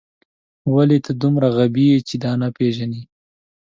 ولې ته دومره غبي یې چې دا نه پېژنې